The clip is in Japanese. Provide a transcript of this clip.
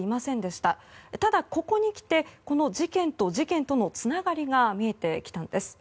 ただ、ここにきて事件と事件とのつながりが見えてきたんです。